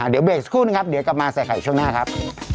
เดี๋ยวเบรกสักครู่นึงครับเดี๋ยวกลับมาใส่ไข่ช่วงหน้าครับ